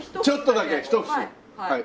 ちょっとだけひと節。